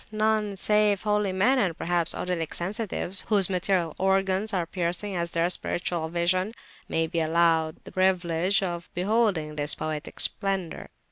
none save holy men (and perhaps, odylic sensitives), whose material organs are piercing as their spiritual vision, may be allowed the privilege of beholding this poetic splendour.